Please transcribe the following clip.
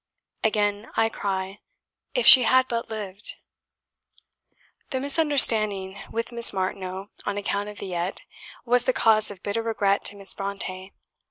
Again I cry, "If she had but lived!" The misunderstanding with Miss Martineau on account of "Villette," was the cause of bitter regret to Miss Brontë.